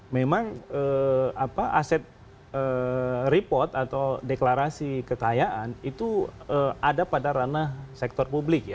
memang aset report atau deklarasi kekayaan itu ada pada ranah sektor publik ya